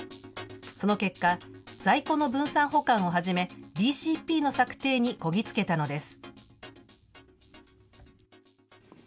その結果、在庫の分散保管をはじめＢＣＰの策定にこぎ着けたのです。